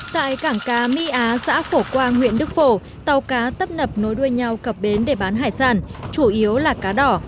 tại cảng cá my á xã phổ quang huyện đức phổ tàu cá tấp nập nối đuôi nhau cập bến để bán hải sản chủ yếu là cá đỏ